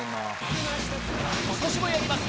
今年もやります